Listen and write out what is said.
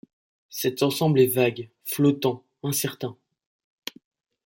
Cet ensemble est vague, flottant, incertain.